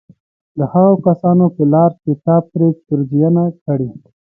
د هغو كسانو په لار چي تا پرې پېرزوينه كړې